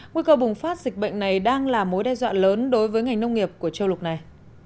nguy cơ bùng phát dịch bệnh này đang là mối đe dọa lớn đối với ngành nông nghiệp của châu lục này